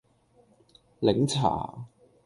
檸茶